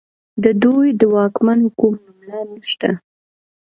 د دوی د واکمنو کوم نوملړ نشته